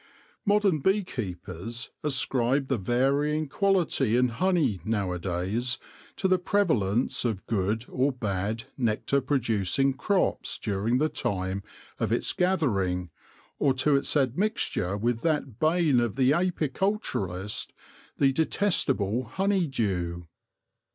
' Modern bee keepers ascribe the varying quality in honey nowadays to the prevalence of good or bad nectar producing crops during the time of its gather ing, or to its admixture with that bane of the apicul turist — the detestable honey dew.